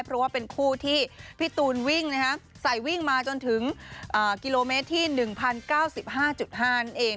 เพราะว่าเป็นคู่ที่พี่ตูนวิ่งใส่วิ่งมาจนถึงกิโลเมตรที่๑๐๙๕๕นั่นเอง